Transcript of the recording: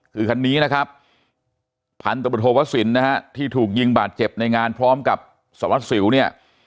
คือคันนี้นะครับพันธบทโทวสินนะฮะที่ถูกยิงบาดเจ็บในงานพร้อมกับสารวัสสิวเนี่ย